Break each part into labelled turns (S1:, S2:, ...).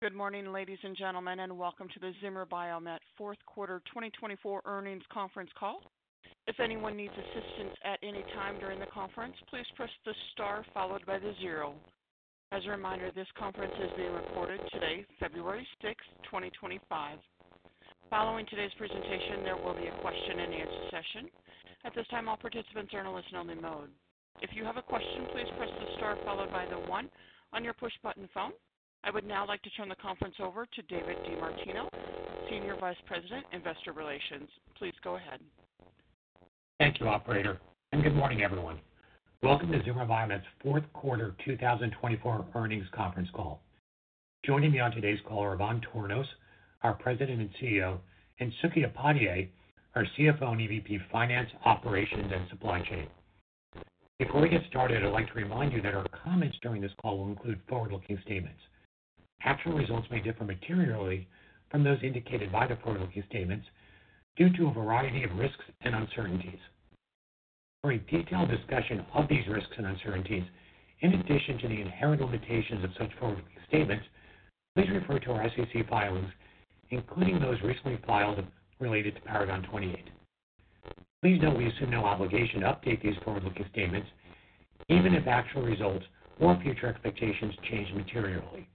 S1: Good morning, ladies and gentlemen, and welcome to the Zimmer Biomet Fourth Quarter 2024 Earnings Conference Call. If anyone needs assistance at any time during the conference, please press the star followed by the zero. As a reminder, this conference is being recorded today, February 6, 2025. Following today's presentation, there will be a question-and-answer session. At this time, all participants are in a listen-only mode. If you have a question, please press the star followed by the one on your push-button phone. I would now like to turn the conference over to David DeMartino, Senior Vice President, Investor Relations. Please go ahead.
S2: Thank you, Operator, and good morning, everyone. Welcome to Zimmer Biomet Fourth Quarter 2024 Earnings Conference Call. Joining me on today's call are Ivan Tornos, our President and CEO, and Suky Upadhyay, our CFO and EVP of Finance, Operations, and Supply Chain. Before we get started, I'd like to remind you that our comments during this call will include forward-looking statements. Actual results may differ materially from those indicated by the forward-looking statements due to a variety of risks and uncertainties. For a detailed discussion of these risks and uncertainties, in addition to the inherent limitations of such forward-looking statements, please refer to our SEC filings, including those recently filed related to Paragon 28. Please note we assume no obligation to update these forward-looking statements, even if actual results or future expectations change materially.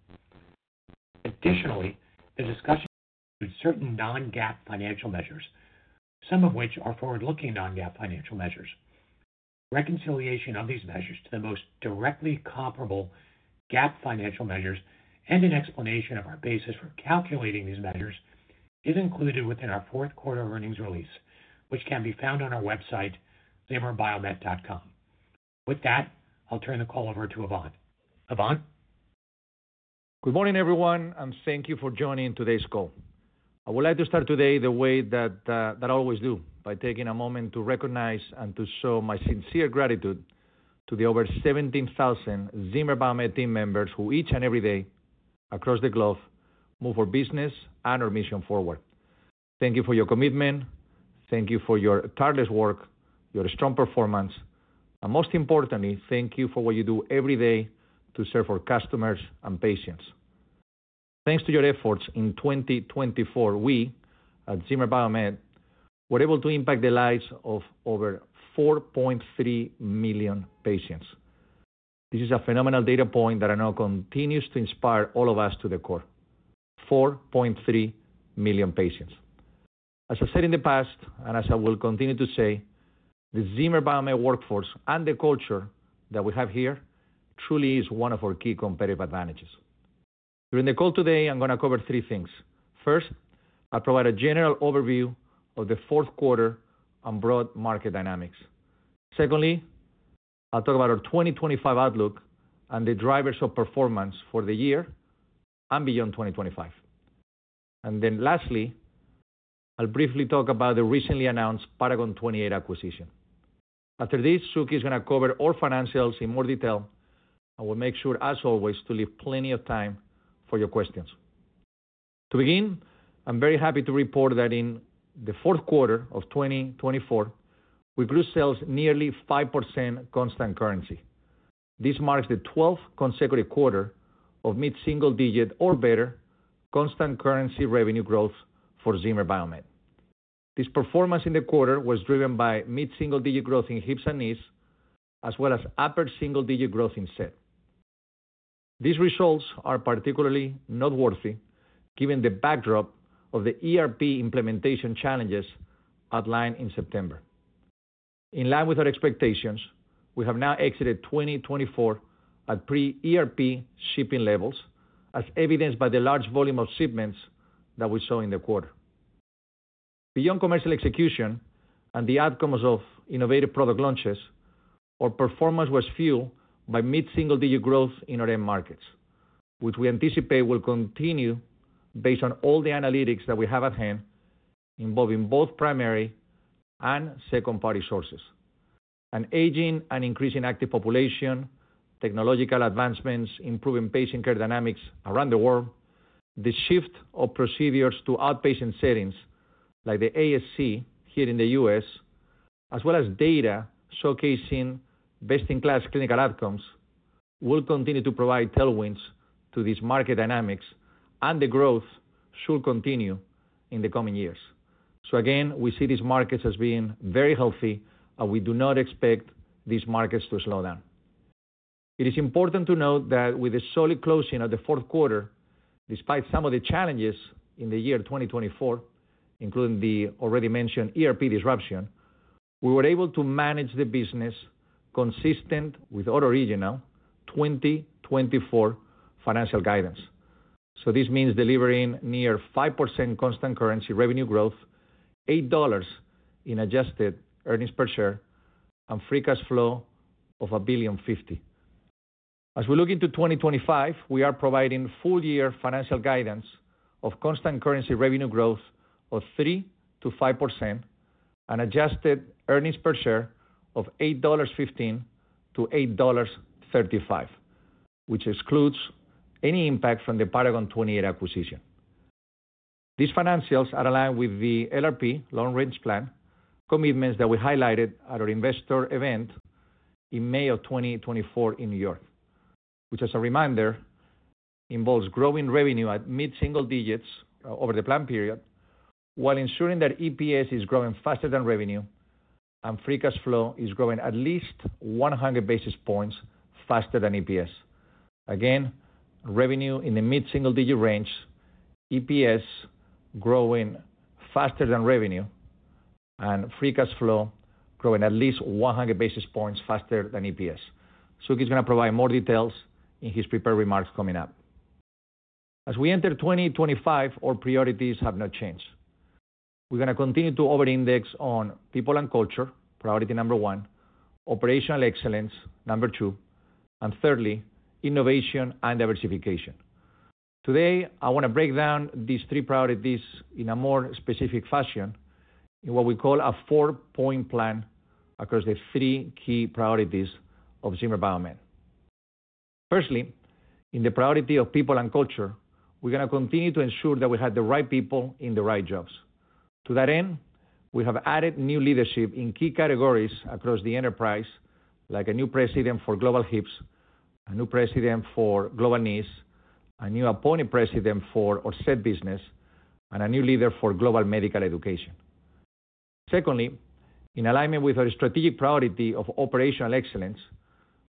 S2: Additionally, the discussion includes certain non-GAAP financial measures, some of which are forward-looking non-GAAP financial measures. Reconciliation of these measures to the most directly comparable GAAP financial measures and an explanation of our basis for calculating these measures is included within our Fourth Quarter Earnings Release, which can be found on our website, zimmerbiomet.com. With that, I'll turn the call over to Ivan. Ivan?
S3: Good morning, everyone, and thank you for joining today's call. I would like to start today the way that I always do, by taking a moment to recognize and to show my sincere gratitude to the over 17,000 Zimmer Biomet team members who each and every day across the globe move our business and our mission forward. Thank you for your commitment. Thank you for your tireless work, your strong performance, and most importantly, thank you for what you do every day to serve our customers and patients. Thanks to your efforts, in 2024, we at Zimmer Biomet were able to impact the lives of over 4.3 million patients. This is a phenomenal data point that I know continues to inspire all of us to the core: 4.3 million patients. As I said in the past, and as I will continue to say, the Zimmer Biomet workforce and the culture that we have here truly is one of our key competitive advantages. During the call today, I'm going to cover three things. First, I'll provide a general overview of the fourth quarter and broad market dynamics. Secondly, I'll talk about our 2025 outlook and the drivers of performance for the year and beyond 2025. And then lastly, I'll briefly talk about the recently announced Paragon 28 acquisition. After this, Suky is going to cover all financials in more detail and will make sure, as always, to leave plenty of time for your questions. To begin, I'm very happy to report that in fourth quarter of 2024, we grew sales nearly 5% constant currency. This marks the 12th consecutive quarter of mid-single-digit or better constant currency revenue growth for Zimmer Biomet. This performance in the quarter was driven by mid-single-digit growth in Hips and Knees, as well as upper single-digit growth in S.E.T. These results are particularly noteworthy given the backdrop of the ERP implementation challenges outlined in September. In line with our expectations, we have now exited 2024 at pre-ERP shipping levels, as evidenced by the large volume of shipments that we saw in the quarter. Beyond commercial execution and the outcomes of innovative product launches, our performance was fueled by mid-single-digit growth in our end markets, which we anticipate will continue based on all the analytics that we have at hand involving both primary and second-party sources. An aging and increasing active population, technological advancements improving patient care dynamics around the world, the shift of procedures to outpatient settings like the ASC here in the U.S., as well as data showcasing best-in-class clinical outcomes, will continue to provide tailwinds to these market dynamics, and the growth should continue in the coming years. So again, we see these markets as being very healthy, and we do not expect these markets to slow down. It is important to note that with the solid closing of the fourth quarter, despite some of the challenges in the year 2024, including the already mentioned ERP disruption, we were able to manage the business consistent with our original 2024 financial guidance. So this means delivering near 5% constant currency revenue growth, $8 in adjusted earnings per share, and Free Cash Flow of $1.5 billion. As we look into 2025, we are providing full-year financial guidance of constant currency revenue growth of 3%-5% and adjusted earnings per share of $8.15-$8.35, which excludes any impact from the Paragon 28 acquisition. These financials are aligned with the LRP, Long Range Plan, commitments that we highlighted at our investor event in May of 2024 in New York, which, as a reminder, involves growing revenue at mid-single digits over the planned period while ensuring that EPS is growing faster than revenue and Free Cash Flow is growing at least 100 basis points faster than EPS. Again, revenue in the mid-single-digit range, EPS growing faster than revenue, and Free Cash Flow growing at least 100 basis points faster than EPS. Suky is going to provide more details in his prepared remarks coming up. As we enter 2025, our priorities have not changed. We're going to continue to over-index on people and culture, priority number one, operational excellence, number two, and thirdly, innovation and diversification. Today, I want to break down these three priorities in a more specific fashion in what we call a four-point plan across the three key priorities of Zimmer Biomet. Firstly, in the priority of people and culture, we're going to continue to ensure that we have the right people in the right jobs. To that end, we have added new leadership in key categories across the enterprise, like a new president for Global Hips, a new president for Global Knees, a new appointed president for our S.E.T. business, and a new leader for Global Medical Education. Secondly, in alignment with our strategic priority of operational excellence,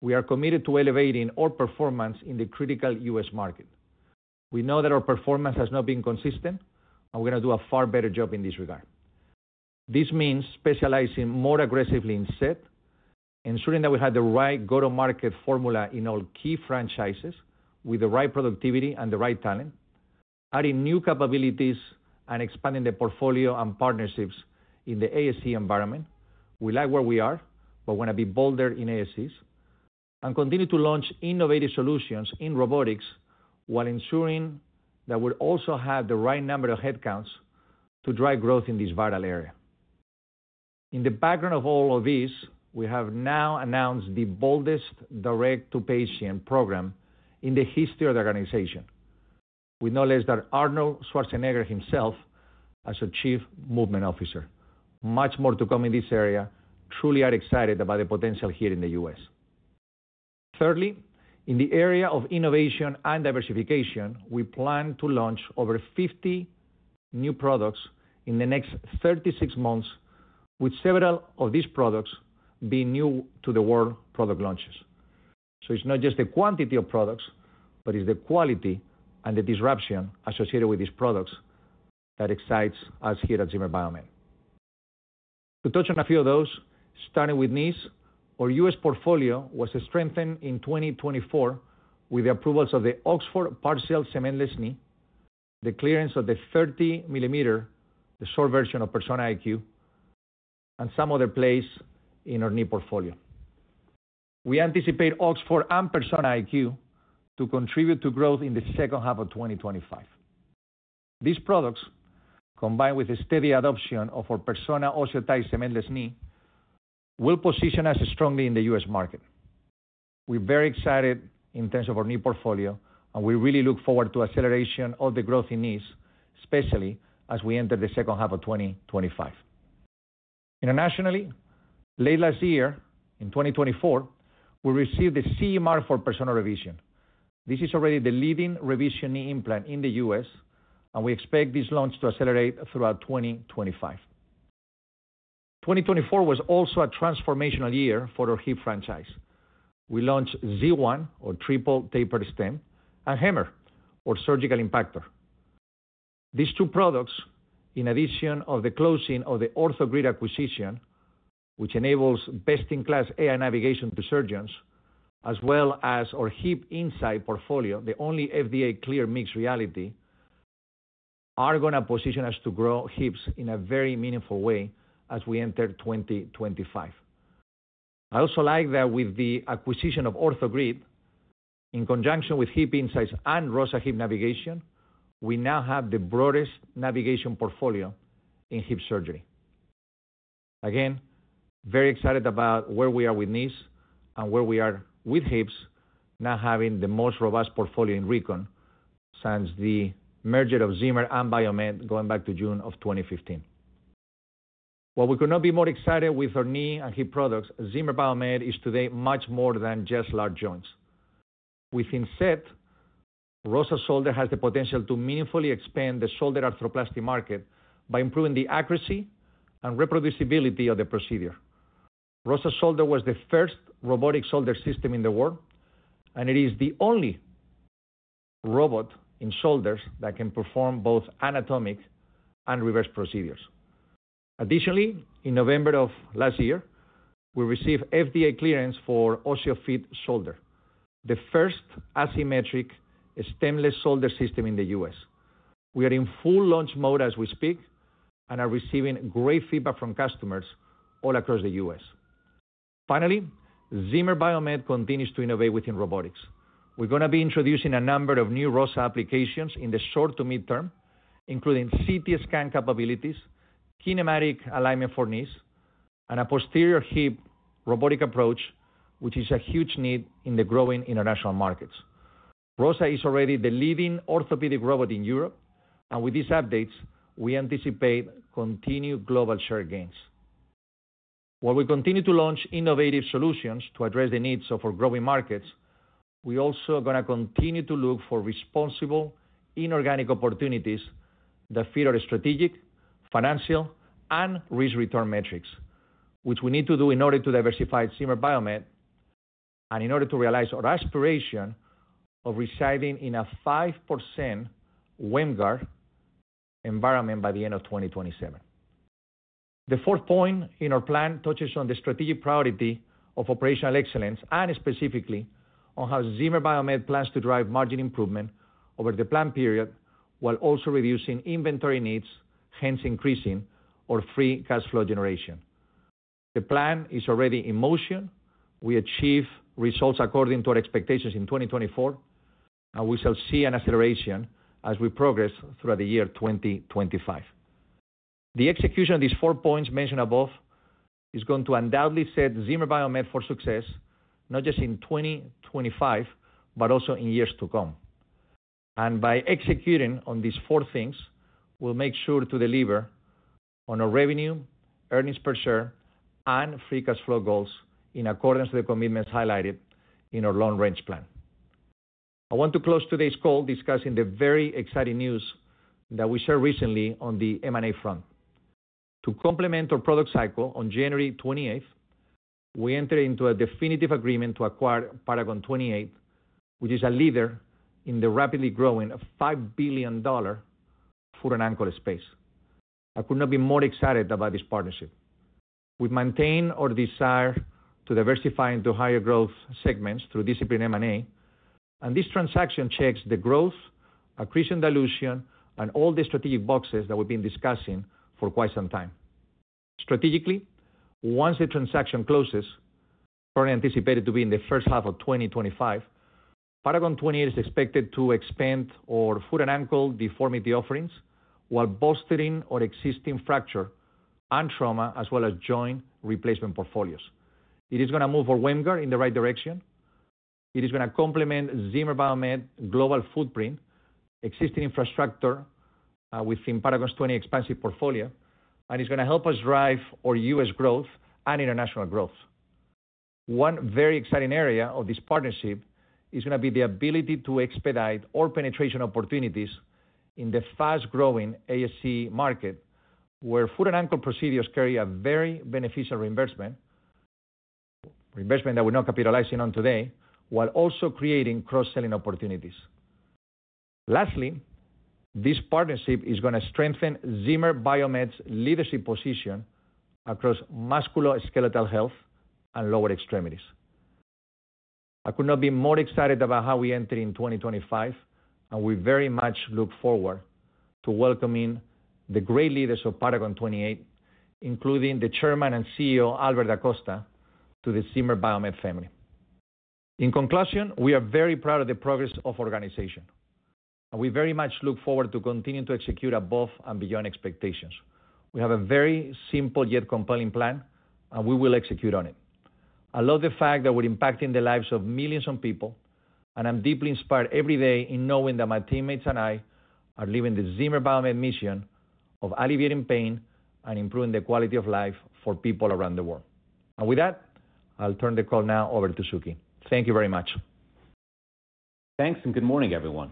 S3: we are committed to elevating our performance in the critical U.S. market. We know that our performance has not been consistent, and we're going to do a far better job in this regard. This means specializing more aggressively in S.E.T., ensuring that we have the right go-to-market formula in all key franchises with the right productivity and the right talent, adding new capabilities and expanding the portfolio and partnerships in the ASC environment. We like where we are, but we want to be bolder in ASCs and continue to launch innovative solutions in robotics while ensuring that we also have the right number of headcounts to drive growth in this vital area. In the background of all of these, we have now announced the boldest direct-to-patient program in the history of the organization, with no less than Arnold Schwarzenegger himself as our Chief Movement Officer. Much more to come in this area. Truly, I'm excited about the potential here in the U.S. Thirdly, in the area of innovation and diversification, we plan to launch over 50 new products in the next 36 months, with several of these products being new-to-the-world product launches. So it's not just the quantity of products, but it's the quality and the disruption associated with these products that excites us here at Zimmer Biomet. To touch on a few of those, starting with Knees, our U.S. portfolio was strengthened in 2024 with the approvals of the Oxford Partial Cementless Knee, the clearance of the 30-millimeter-short version of Persona IQ, and some other plays in our Knee portfolio. We anticipate Oxford and Persona IQ to contribute to growth in the second half of 2025. These products, combined with the steady adoption of our Persona OsseoTi Cementless Knee, will position us strongly in the U.S. market. We're very excited in terms of our Knee portfolio, and we really look forward to the acceleration of the growth in Knees, especially as we enter the second half of 2025. Internationally, late last year, in 2024, we received the CE Mark for Persona Revision. This is already the leading Revision Knee implant in the U.S., and we expect this launch to accelerate throughout 2025. 2024 was also a transformational year for our Hip franchise. We launched Z1, our triple-tapered stem, and HAMMR, our surgical impactor. These two products, in addition to the closing of the OrthoGrid acquisition, which enables best-in-class AI navigation to surgeons, as well as our HipInsight portfolio, the only FDA-cleared mixed reality, are going to position us to grow Hips in a very meaningful way as we enter 2025. I also like that with the acquisition of OrthoGrid, in conjunction with HipInsight and ROSA Hip Navigation, we now have the broadest navigation portfolio in Hip surgery. Again, very excited about where we are with Knees and where we are with Hips, now having the most robust portfolio in recon since the merger of Zimmer and Biomet going back to June of 2015. While we could not be more excited with our Knee and Hip products, Zimmer Biomet is today much more than just large joints. Within S.E.T., ROSA Shoulder has the potential to meaningfully expand the shoulder arthroplasty market by improving the accuracy and reproducibility of the procedure. ROSA Shoulder was the first robotic shoulder system in the world, and it is the only robot in shoulders that can perform both anatomic and reverse procedures. Additionally, in November of last year, we received FDA clearance for OsteoFit Shoulder, the first asymmetric stemless shoulder system in the U.S. We are in full launch mode as we speak and are receiving great feedback from customers all across the U.S. Finally, Zimmer Biomet continues to innovate within robotics. We're going to be introducing a number of new ROSA applications in the short to mid-term, including CT scan capabilities, kinematic alignment for knees, and a posterior hip robotic approach, which is a huge need in the growing international markets. ROSA is already the leading orthopedic robot in Europe, and with these updates, we anticipate continued global share gains. While we continue to launch innovative solutions to address the needs of our growing markets, we are also going to continue to look for responsible inorganic opportunities that fit our strategic, financial, and risk-return metrics, which we need to do in order to diversify Zimmer Biomet and in order to realize our aspiration of residing in a 5% WAMGR environment by the end of 2027. The fourth point in our plan touches on the strategic priority of operational excellence and specifically on how Zimmer Biomet plans to drive margin improvement over the planned period while also reducing inventory needs, hence increasing our Free Cash Flow generation. The plan is already in motion. We achieve results according to our expectations in 2024, and we shall see an acceleration as we progress throughout the year 2025. The execution of these four points mentioned above is going to undoubtedly set Zimmer Biomet for success, not just in 2025, but also in years to come, and by executing on these four things, we'll make sure to deliver on our revenue, earnings per share, and Free Cash Flow goals in accordance with the commitments highlighted in our Long Range Plan. I want to close today's call discussing the very exciting news that we shared recently on the M&A front. To complement our product cycle on January 28th, we entered into a definitive agreement to acquire Paragon 28, which is a leader in the rapidly growing $5 billion foot-and-ankle space. I could not be more excited about this partnership. We maintain our desire to diversify into higher growth segments through disciplined M&A, and this transaction checks the growth, accretion, dilution, and all the strategic boxes that we've been discussing for quite some time. Strategically, once the transaction closes, currently anticipated to be in the first half of 2025, Paragon 28 is expected to expand our foot and ankle deformity offerings while bolstering our existing fracture and trauma, as well as joint replacement portfolios. It is going to move our WAMGR in the right direction. It is going to complement Zimmer Biomet's global footprint, existing infrastructure within Paragon 28's expansive portfolio, and is going to help us drive our U.S. growth and international growth. One very exciting area of this partnership is going to be the ability to expedite our penetration opportunities in the fast-growing ASC market, where foot-and-ankle procedures carry a very beneficial reinvestment that we're not capitalizing on today, while also creating cross-selling opportunities. Lastly, this partnership is going to strengthen Zimmer Biomet's leadership position across musculoskeletal health and lower extremities. I could not be more excited about how we enter in 2025, and we very much look forward to welcoming the great leaders of Paragon 28, including the Chairman and CEO, Albert DaCosta, to the Zimmer Biomet family. In conclusion, we are very proud of the progress of our organization, and we very much look forward to continuing to execute above and beyond expectations. We have a very simple yet compelling plan, and we will execute on it. I love the fact that we're impacting the lives of millions of people, and I'm deeply inspired every day in knowing that my teammates and I are living the Zimmer Biomet mission of alleviating pain and improving the quality of life for people around the world. And with that, I'll turn the call now over to Suky. Thank you very much.
S4: Thanks, and good morning, everyone.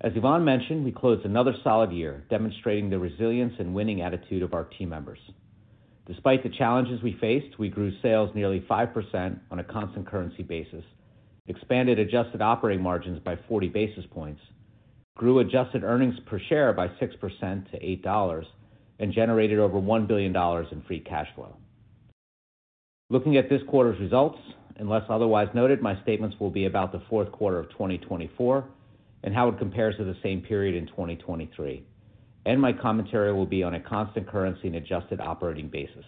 S4: As Ivan mentioned, we closed another solid year, demonstrating the resilience and winning attitude of our team members. Despite the challenges we faced, we grew sales nearly 5% on a constant currency basis, expanded adjusted operating margins by 40 basis points, grew adjusted earnings per share by 6% to $8, and generated over $1 billion in Free Cash Flow. Looking at this quarter's results, unless otherwise noted, my statements will be about the fourth quarter of 2024 and how it compares to the same period in 2023. My commentary will be on a constant currency and adjusted operating basis.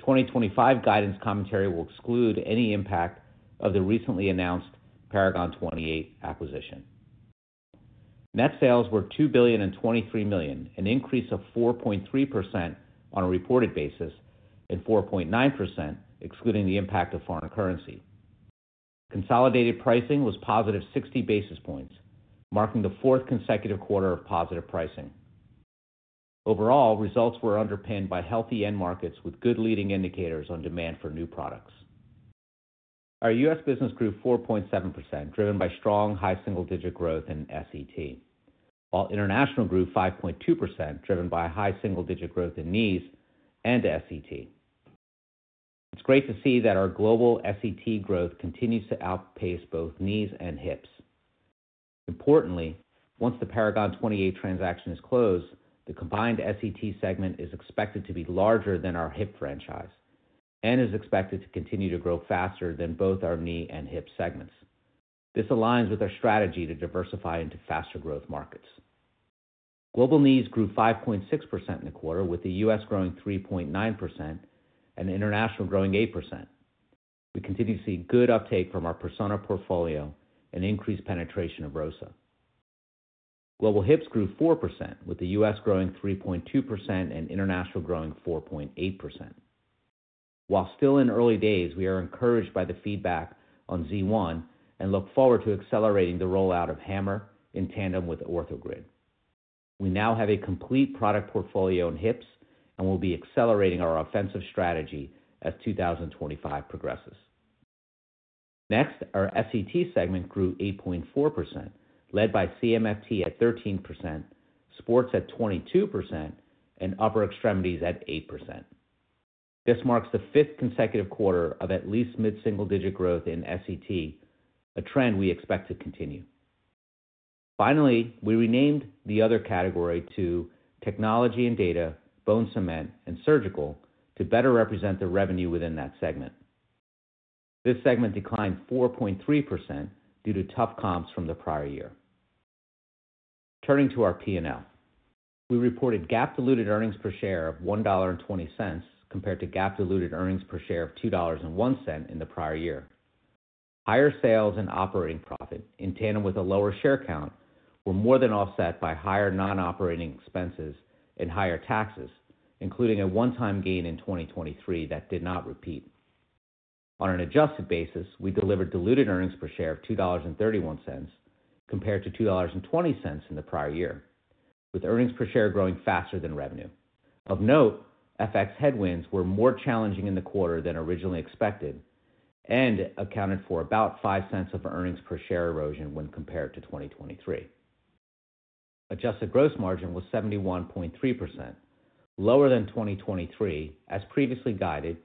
S4: 2025 guidance commentary will exclude any impact of the recently announced Paragon 28 acquisition. Net sales were $2 billion and $23 million, an increase of 4.3% on a reported basis and 4.9%, excluding the impact of foreign currency. Consolidated pricing was positive 60 basis points, marking the fourth consecutive quarter of positive pricing. Overall, results were underpinned by healthy end markets with good leading indicators on demand for new products. Our U.S. business grew 4.7%, driven by strong high single-digit growth in S.E.T., while international grew 5.2%, driven by high single-digit growth in Knees and S.E.T.. It's great to see that our global S.E.T. growth continues to outpace both Knees and Hips. Importantly, once the Paragon 28 transaction is closed, the combined S.E.T. segment is expected to be larger than our Hip franchise and is expected to continue to grow faster than both our Knee and Hip segments. This aligns with our strategy to diversify into faster growth markets. Global Knees grew 5.6% in the quarter, with the U.S. growing 3.9% and the international growing 8%. We continue to see good uptake from our Persona portfolio and increased penetration of ROSA. Global Hips grew 4%, with the U.S. growing 3.2% and international growing 4.8%. While still in early days, we are encouraged by the feedback on Z1 and look forward to accelerating the rollout of HAMMR in tandem with OrthoGrid. We now have a complete product portfolio in Hips and will be accelerating our offensive strategy as 2025 progresses. Next, our S.E.T. segment grew 8.4%, led by CMFT at 13%, sports at 22%, and upper extremities at 8%. This marks the fifth consecutive quarter of at least mid-single-digit growth in S.E.T., a trend we expect to continue. Finally, we renamed the other category to Technology and Data, Bone Cement, and Surgical to better represent the revenue within that segment. This segment declined 4.3% due to tough comps from the prior year. Turning to our P&L, we reported GAAP-diluted earnings per share of $1.20 compared to GAAP-diluted earnings per share of $2.01 in the prior year. Higher sales and operating profit in tandem with a lower share count were more than offset by higher non-operating expenses and higher taxes, including a one-time gain in 2023 that did not repeat. On an adjusted basis, we delivered diluted earnings per share of $2.31 compared to $2.20 in the prior year, with earnings per share growing faster than revenue. Of note, FX headwinds were more challenging in the quarter than originally expected and accounted for about 5% of earnings per share erosion when compared to 2023. Adjusted gross margin was 71.3%, lower than 2023, as previously guided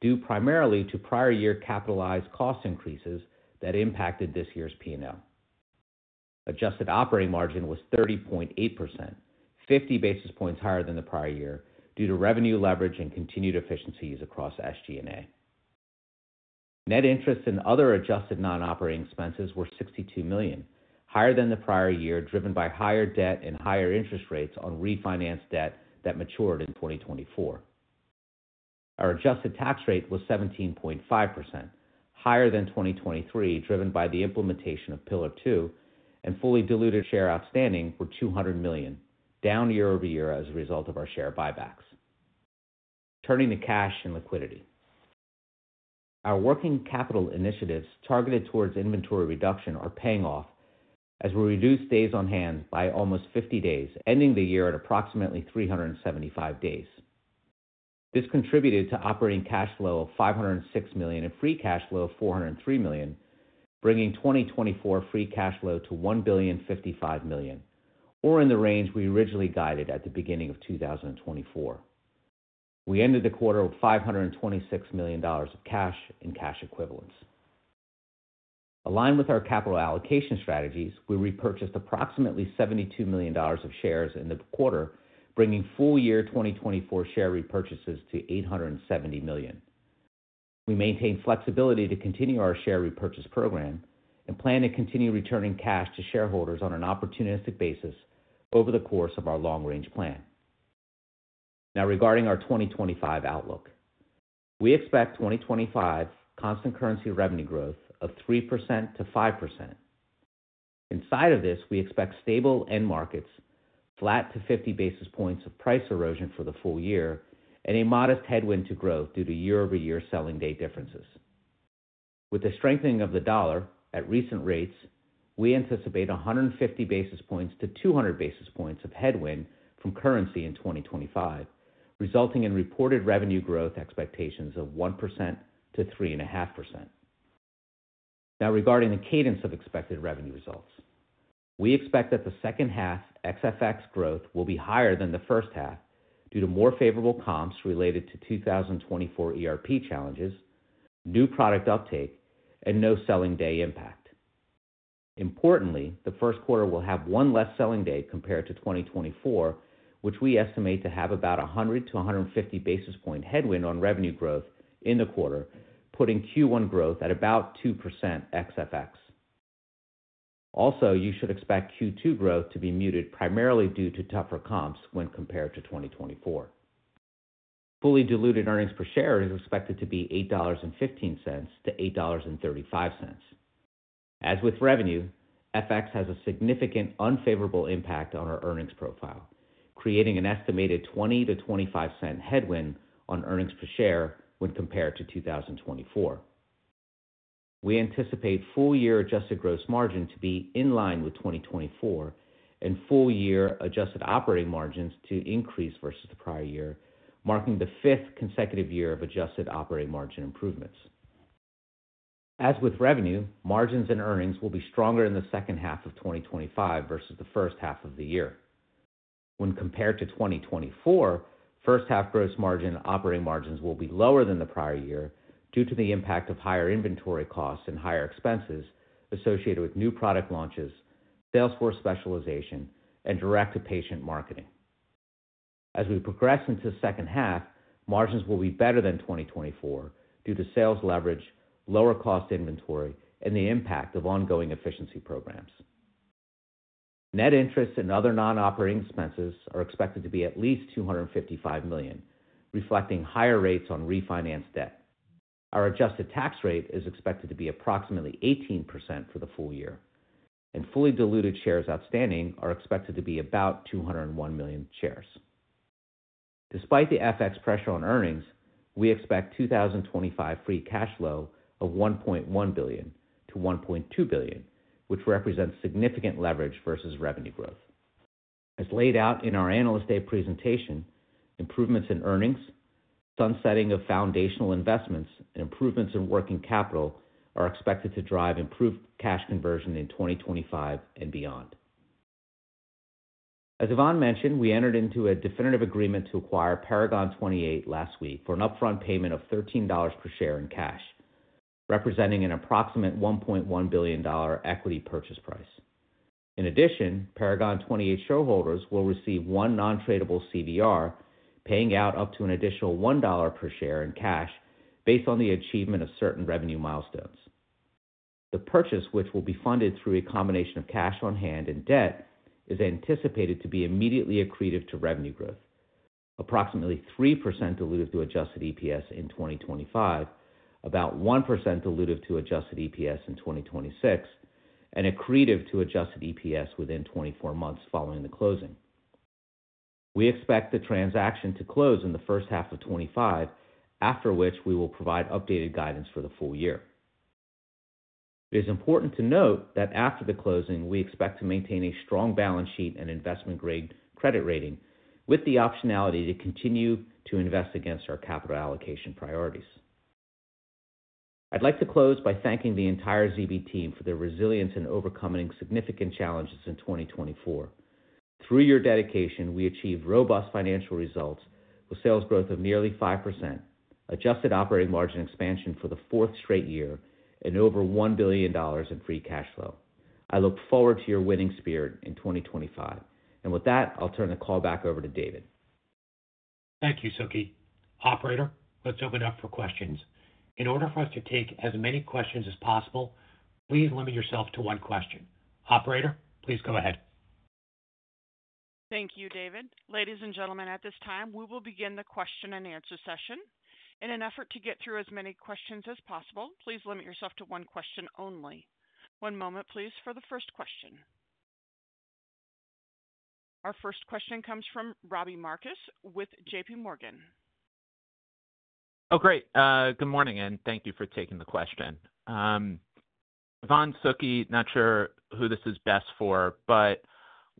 S4: due primarily to prior year capitalized cost increases that impacted this year's P&L. Adjusted operating margin was 30.8%, 50 basis points higher than the prior year due to revenue leverage and continued efficiencies across SG&A. Net interest and other adjusted non-operating expenses were $62 million, higher than the prior year driven by higher debt and higher interest rates on refinanced debt that matured in 2024. Our adjusted tax rate was 17.5%, higher than 2023 driven by the implementation of Pillar 2, and fully diluted shares outstanding were 200 million, down year over year as a result of our share buybacks. Turning to cash and liquidity, our working capital initiatives targeted towards inventory reduction are paying off as we reduced days on hand by almost 50 days, ending the year at approximately 375 days. This contributed to operating cash flow of $506 million and Free Cash Flow of $403 million, bringing 2024 Free Cash Flow to $1.055 billion, or in the range we originally guided at the beginning of 2024. We ended the quarter with $526 million of cash and cash equivalents. Aligned with our capital allocation strategies, we repurchased approximately $72 million of shares in the quarter, bringing full year 2024 share repurchases to $870 million. We maintain flexibility to continue our share repurchase program and plan to continue returning cash to shareholders on an opportunistic basis over the course of our Long-Range Plan. Now, regarding our 2025 outlook, we expect 2025 constant currency revenue growth of 3% to 5%. Inside of this, we expect stable end markets, flat to 50 basis points of price erosion for the full year, and a modest headwind to growth due to year-over-year selling day differences. With the strengthening of the dollar at recent rates, we anticipate 150 basis points to 200 basis points of headwind from currency in 2025, resulting in reported revenue growth expectations of 1% to 3.5%. Now, regarding the cadence of expected revenue results, we expect that the second half FX growth will be higher than the first half due to more favorable comps related to 2024 ERP challenges, new product uptake, and no selling day impact. Importantly, the first quarter will have one less selling day compared to 2024, which we estimate to have about 100-150 basis points headwind on revenue growth in the quarter, putting Q1 growth at about 2% FX. Also, you should expect Q2 growth to be muted primarily due to tougher comps when compared to 2024. Fully diluted earnings per share is expected to be $8.15-$8.35. As with revenue, FX has a significant unfavorable impact on our earnings profile, creating an estimated $0.20-$0.25 headwind on earnings per share when compared to 2024. We anticipate full year adjusted gross margin to be in line with 2024 and full year adjusted operating margins to increase versus the prior year, marking the fifth consecutive year of adjusted operating margin improvements. As with revenue, margins and earnings will be stronger in the second half of 2025 versus the first half of the year. When compared to 2024, first half gross margin operating margins will be lower than the prior year due to the impact of higher inventory costs and higher expenses associated with new product launches, sales force specialization, and direct-to-patient marketing. As we progress into the second half, margins will be better than 2024 due to sales leverage, lower cost inventory, and the impact of ongoing efficiency programs. Net interest and other non-operating expenses are expected to be at least $255 million, reflecting higher rates on refinanced debt. Our adjusted tax rate is expected to be approximately 18% for the full year, and fully diluted shares outstanding are expected to be about 201 million shares. Despite the FX pressure on earnings, we expect 2025 Free Cash Flow of $1.1 billion-$1.2 billion, which represents significant leverage versus revenue growth. As laid out in our analyst day presentation, improvements in earnings, sunsetting of foundational investments, and improvements in working capital are expected to drive improved cash conversion in 2025 and beyond. As Ivan mentioned, we entered into a definitive agreement to acquire Paragon 28 last week for an upfront payment of $13 per share in cash, representing an approximate $1.1 billion equity purchase price. In addition, Paragon 28 shareholders will receive one non-tradable CVR, paying out up to an additional $1 per share in cash based on the achievement of certain revenue milestones. The purchase, which will be funded through a combination of cash on hand and debt, is anticipated to be immediately accretive to revenue growth, approximately 3% diluted to Adjusted EPS in 2025, about 1% diluted to Adjusted EPS in 2026, and accretive to Adjusted EPS within 24 months following the closing. We expect the transaction to close in the first half of 2025, after which we will provide updated guidance for the full year. It is important to note that after the closing, we expect to maintain a strong balance sheet and investment-grade credit rating with the optionality to continue to invest against our capital allocation priorities. I'd like to close by thanking the entire ZB team for their resilience in overcoming significant challenges in 2024. Through your dedication, we achieved robust financial results with sales growth of nearly 5%, adjusted operating margin expansion for the fourth straight year, and over $1 billion in Free Cash Flow. I look forward to your winning spirit in 2025. And with that, I'll turn the call back over to David.
S2: Thank you, Suky. Operator, let's open it up for questions. In order for us to take as many questions as possible, please limit yourself to one question. Operator, please go ahead.
S1: Thank you, David. Ladies and gentlemen, at this time, we will begin the question and answer session. In an effort to get through as many questions as possible, please limit yourself to one question only. One moment, please, for the first question. Our first question comes from Robbie Marcus with JPMorgan. Oh, great. Good morning, and thank you for taking the question.
S5: Ivan, Suky, not sure who this is best for, but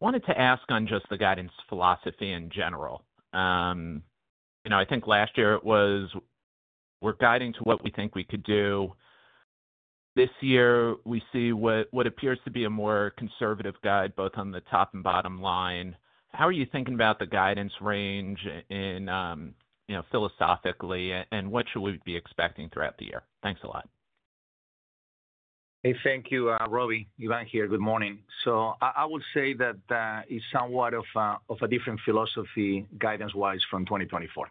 S5: wanted to ask on just the guidance philosophy in general. I think last year it was, we're guiding to what we think we could do. This year, we see what appears to be a more conservative guide, both on the top and bottom line. How are you thinking about the guidance range philosophically, and what should we be expecting throughout the year? Thanks a lot.
S3: Hey, thank you, Robbie. Ivan here, good morning. So I would say that it's somewhat of a different philosophy guidance-wise from 2024.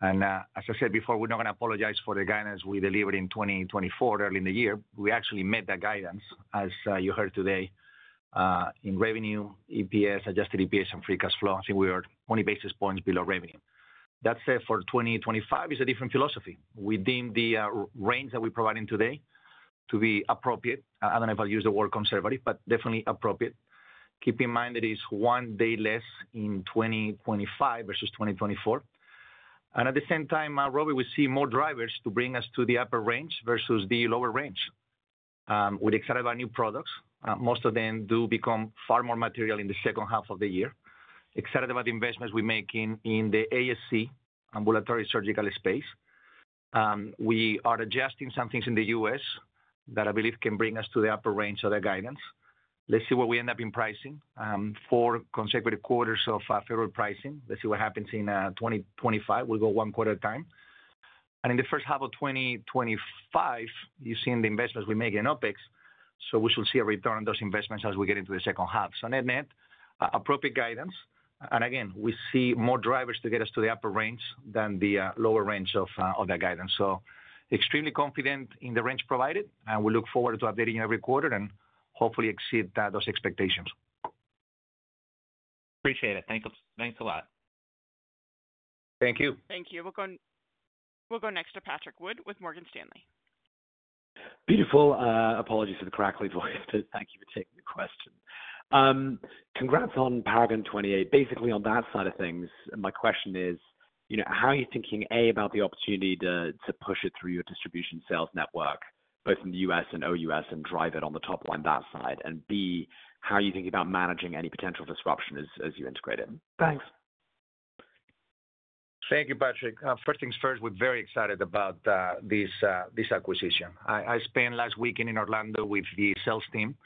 S3: And as I said before, we're not going to apologize for the guidance we delivered in 2024 early in the year. We actually met that guidance, as you heard today, in revenue, EPS, Adjusted EPS, and Free Cash Flow. I think we were 20 basis points below revenue. That said, for 2025, it's a different philosophy. We deem the range that we provide today to be appropriate. I don't know if I'll use the word conservative, but definitely appropriate. Keep in mind that it's one day less in 2025 versus 2024. And at the same time, Robbie, we see more drivers to bring us to the upper range versus the lower range. We're excited about new products. Most of them do become far more material in the second half of the year. Excited about the investments we're making in the ASC, ambulatory surgical space. We are adjusting some things in the U.S. that I believe can bring us to the upper range of the guidance. Let's see what we end up in pricing for consecutive quarters of federal pricing. Let's see what happens in 2025. We'll go one quarter at a time. And in the first half of 2025, you've seen the investments we make in OpEx, so we should see a return on those investments as we get into the second half. So net-net, appropriate guidance. And again, we see more drivers to get us to the upper range than the lower range of that guidance. So extremely confident in the range provided, and we look forward to updating every quarter and hopefully exceed those expectations.
S5: Appreciate it. Thanks a lot.
S3: Thank you.
S1: Thank you. We'll go next to Patrick Wood with Morgan Stanley.
S6: Beautiful. Apologies for the crackly voice, but thank you for taking the question. Congrats on Paragon 28. Basically, on that side of things, my question is, how are you thinking, A, about the opportunity to push it through your distribution sales network, both in the U.S. and O.U.S., and drive it on the top line that side? And B, how are you thinking about managing any potential disruption as you integrate it?
S3: Thanks. Thank you, Patrick. First things first, we're very excited about this acquisition. I spent last weekend in Orlando with the sales team.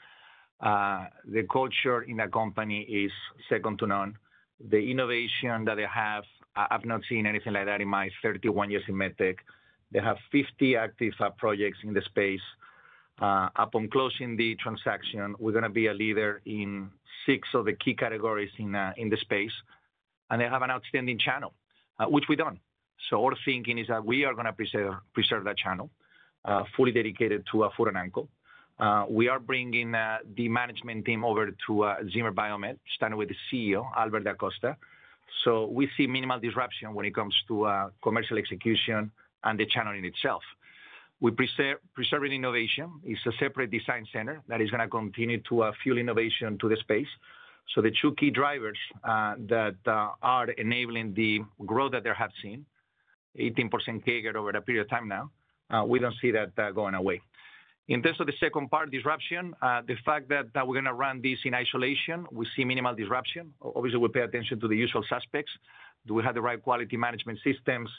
S3: The culture in the company is second to none. The innovation that they have, I've not seen anything like that in my 31 years in medtech. They have 50 active projects in the space. Upon closing the transaction, we're going to be a leader in six of the key categories in the space. And they have an outstanding channel, which we don't. So our thinking is that we are going to preserve that channel, fully dedicated to a foot and ankle. We are bringing the management team over to Zimmer Biomet, standing with the CEO, Albert DaCosta. So we see minimal disruption when it comes to commercial execution and the channel in itself. We're preserving innovation. It's a separate design center that is going to continue to fuel innovation to the space. So the two key drivers that are enabling the growth that they have seen, 18% CAGR over a period of time now, we don't see that going away. In terms of the second part, disruption, the fact that we're going to run this in isolation, we see minimal disruption. Obviously, we pay attention to the usual suspects. Do we have the right quality management systems?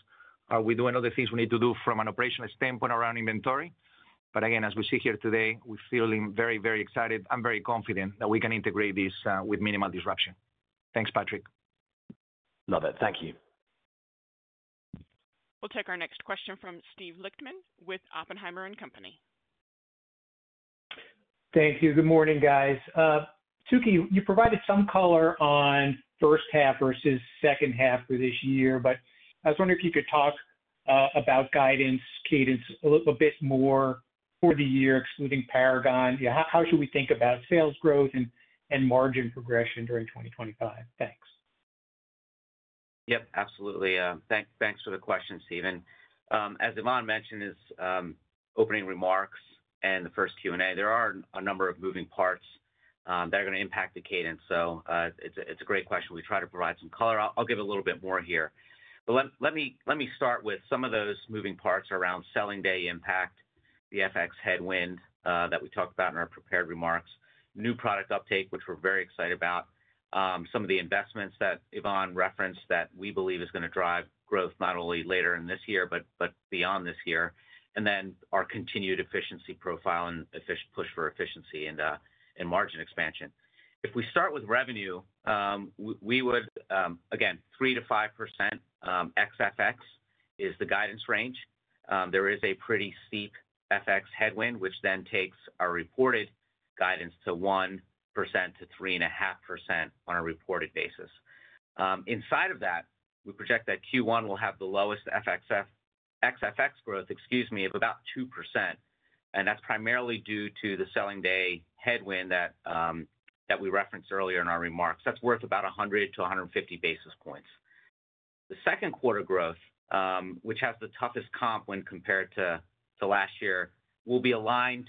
S3: Are we doing all the things we need to do from an operational standpoint around inventory? But again, as we see here today, we're feeling very, very excited and very confident that we can integrate this with minimal disruption. Thanks, Patrick.
S6: Love it. Thank you.
S1: We'll take our next question from Steven Lichtman with Oppenheimer & Co.
S7: Thank you. Good morning, guys. Suky, you provided some color on first half versus second half for this year, but I was wondering if you could talk about guidance cadence a little bit more for the year, excluding Paragon. How should we think about sales growth and margin progression during 2025? Thanks.
S4: Yep, absolutely. Thanks for the question, Steven. As Ivan mentioned in his opening remarks and the first Q&A, there are a number of moving parts that are going to impact the cadence. So it's a great question. We try to provide some color. I'll give a little bit more here. But let me start with some of those moving parts around selling day impact, the FX headwind that we talked about in our prepared remarks, new product uptake, which we're very excited about, some of the investments that Ivan referenced that we believe is going to drive growth not only later in this year, but beyond this year, and then our continued efficiency profile and push for efficiency and margin expansion. If we start with revenue, we would, again, 3%-5% XFX is the guidance range. There is a pretty steep FX headwind, which then takes our reported guidance to 1%-3.5% on a reported basis. Inside of that, we project that Q1 will have the lowest XFX growth, excuse me, of about 2%. And that's primarily due to the selling day headwind that we referenced earlier in our remarks. That's worth about 100-150 basis points. The second quarter growth, which has the toughest comp when compared to last year, will be aligned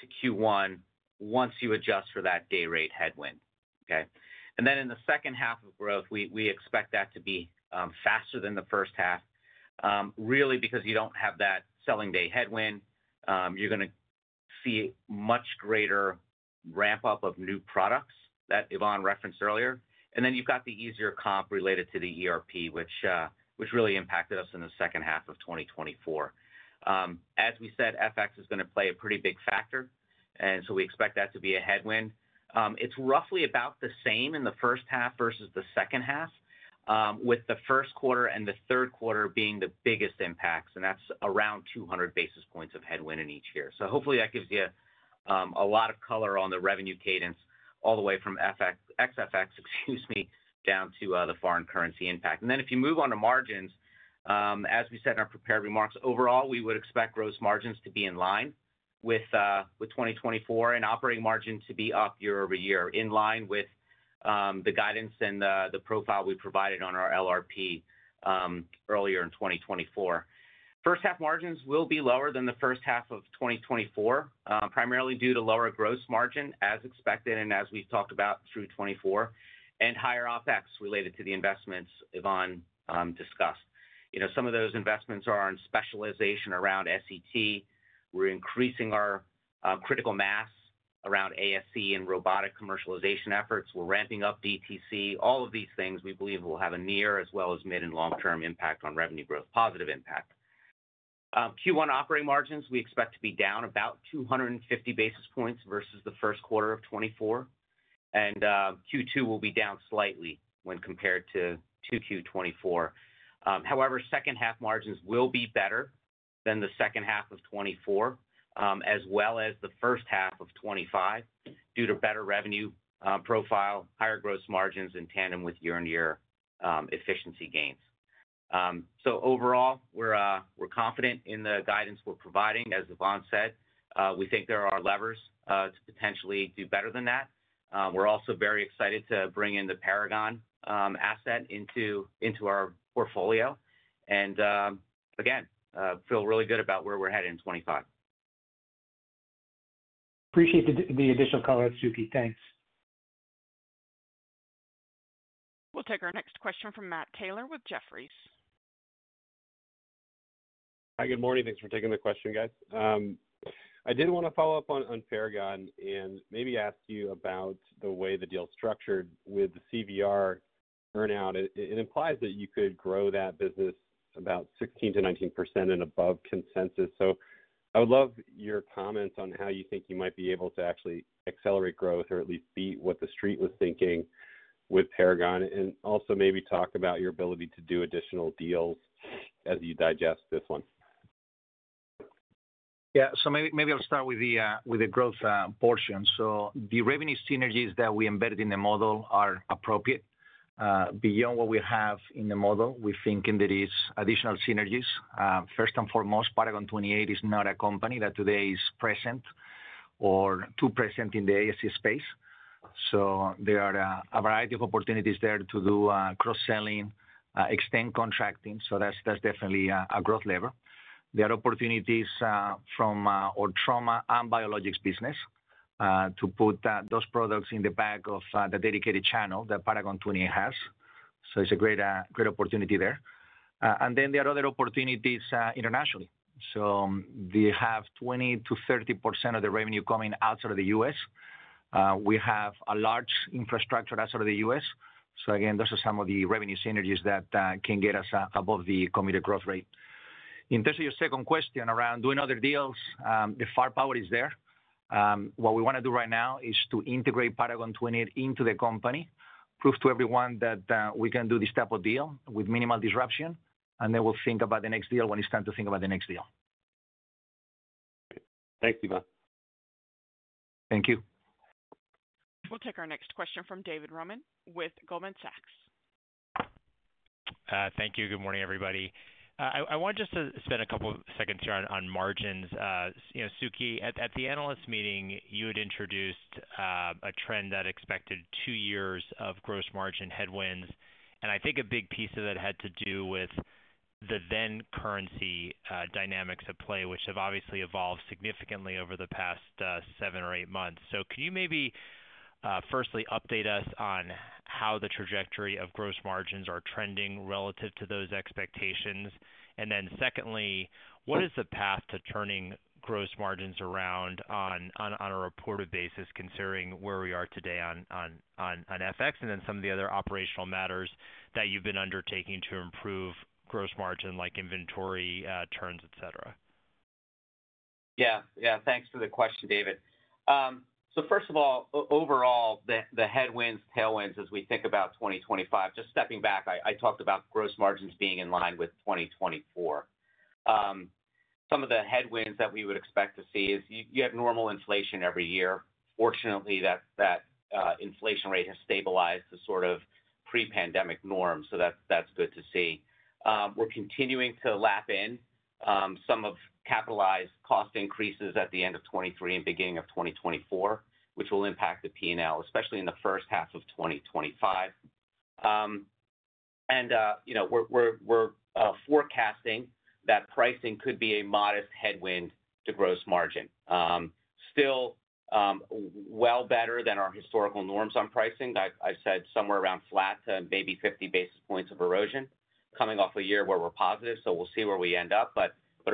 S4: to Q1 once you adjust for that day rate headwind. Okay? And then in the second half of growth, we expect that to be faster than the first half, really, because you don't have that selling day headwind. You're going to see a much greater ramp-up of new products that Ivan referenced earlier. And then you've got the easier comp related to the ERP, which really impacted us in the second half of 2024. As we said, FX is going to play a pretty big factor. And so we expect that to be a headwind. It's roughly about the same in the first half versus the second half, with the first quarter and the third quarter being the biggest impacts. And that's around 200 basis points of headwind in each year. Hopefully, that gives you a lot of color on the revenue cadence all the way from FX, excuse me, down to the foreign currency impact. And then if you move on to margins, as we said in our prepared remarks, overall, we would expect gross margins to be in line with 2024 and operating margin to be up year over year, in line with the guidance and the profile we provided on our LRP earlier in 2024. First-half margins will be lower than the first half of 2024, primarily due to lower gross margin, as expected, and as we've talked about through 2024, and higher OpEx related to the investments Ivan discussed. Some of those investments are on specialization around S.E.T. We're increasing our critical mass around ASC and robotic commercialization efforts. We're ramping up DTC. All of these things, we believe, will have a near as well as mid and long-term impact on revenue growth, positive impact. Q1 operating margins, we expect to be down about 250 basis points versus the first quarter of 2024. And Q2 will be down slightly when compared to Q2 2024. However, second-half margins will be better than the second half of 2024, as well as the first half of 2025, due to better revenue profile, higher gross margins in tandem with year-on-year efficiency gains. So overall, we're confident in the guidance we're providing. As Ivan said, we think there are levers to potentially do better than that. We're also very excited to bring in the Paragon asset into our portfolio. And again, feel really good about where we're headed in 2025.
S7: Appreciate the additional color, Suky. Thanks.
S1: We'll take our next question from Matt Taylor with Jefferies.
S8: Hi, good morning. Thanks for taking the question, guys. I did want to follow up on Paragon 28 and maybe ask you about the way the deal structured with the CVR structure. It implies that you could grow that business about 16%-19% and above consensus. So I would love your comments on how you think you might be able to actually accelerate growth or at least beat what the street was thinking with Paragon 28 and also maybe talk about your ability to do additional deals as you digest this one.
S3: Yeah, so maybe I'll start with the growth portion, so the revenue synergies that we embedded in the model are appropriate. Beyond what we have in the model, we're thinking there are additional synergies. First and foremost, Paragon 28 is not a company that today is present or too present in the ASC space. There are a variety of opportunities there to do cross-selling, extend contracting. So that's definitely a growth lever. There are opportunities from our trauma and biologics business to put those products in the back of the dedicated channel that Paragon 28 has. So it's a great opportunity there. And then there are other opportunities internationally. So they have 20%-30% of the revenue coming outside of the U.S. We have a large infrastructure outside of the U.S. So again, those are some of the revenue synergies that can get us above the committed growth rate. In terms of your second question around doing other deals, the firepower is there. What we want to do right now is to integrate Paragon 28 into the company, prove to everyone that we can do this type of deal with minimal disruption, and then we'll think about the next deal when it's time to think about the next deal.
S8: Thanks, Ivan.
S3: Thank you.
S1: We'll take our next question from David Roman with Goldman Sachs.
S9: Thank you. Good morning, everybody. I wanted just to spend a couple of seconds here on margins. Suky, at the analyst meeting, you had introduced a trend that expected two years of gross margin headwinds. And I think a big piece of that had to do with the then-currency dynamics at play, which have obviously evolved significantly over the past seven or eight months. So can you maybe firstly update us on how the trajectory of gross margins are trending relative to those expectations? And then secondly, what is the path to turning gross margins around on a reported basis, considering where we are today on FX and then some of the other operational matters that you've been undertaking to improve gross margin, like inventory turns, etc.?
S4: Yeah. Yeah. Thanks for the question, David. So first of all, overall, the headwinds, tailwinds as we think about 2025, just stepping back, I talked about gross margins being in line with 2024. Some of the headwinds that we would expect to see is you have normal inflation every year. Fortunately, that inflation rate has stabilized to sort of pre-pandemic norms. So that's good to see. We're continuing to lap in some of capitalized cost increases at the end of 2023 and beginning of 2024, which will impact the P&L, especially in the first half of 2025. We're forecasting that pricing could be a modest headwind to gross margin. Still, well better than our historical norms on pricing. I said somewhere around flat to maybe 50 basis points of erosion coming off a year where we're positive. We'll see where we end up.